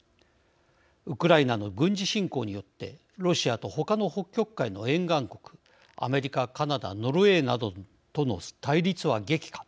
ウクライナの軍事侵攻によってロシアと他の北極海の沿岸国アメリカカナダノルウェーなどとの対立は激化